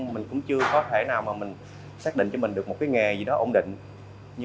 mình cũng chưa có thể nào xác định cho mình được một nghề gì đó ổn định